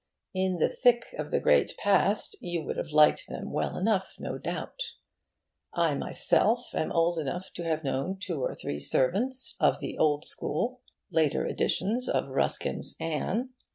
In the thick of the great past, you would have liked them well enough, no doubt. I myself am old enough to have known two or three servants of the old school later editions of Ruskin's Anne.